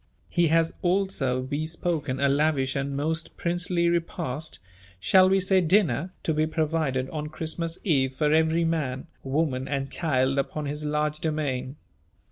He has also bespoken a lavish and most princely repast shall we say dinner to be provided on Christmas eve for every man, woman, and child upon his large domain.